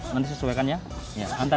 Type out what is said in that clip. nanti sesuaikan ya